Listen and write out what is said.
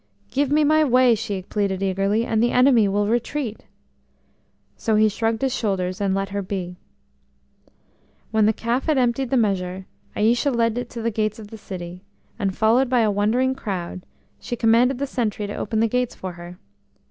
"Give me my way," she pleaded eagerly, "and the enemy will retreat." So he shrugged his shoulders and let her be. When the calf had emptied the measure, Aïcha led it to the gates of the city, and, followed by a wondering crowd, she commanded the sentry to open the gates for her.